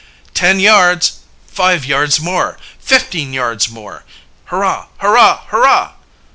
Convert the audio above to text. "Ten yards!" "Five yards more!" "Fifteen yards more!" "Hurrah! Hurrah! Hurrah!"